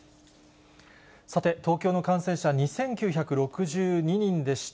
さて、東京の感染者は２９６２人でした。